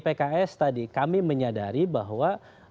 pks tadi kami menyadari bahwa